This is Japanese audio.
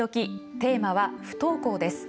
テーマは不登校です。